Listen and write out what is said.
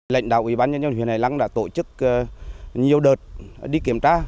lệnh đạo ubnd huyện hải lăng đã tổ chức nhiều đợt đi kiểm tra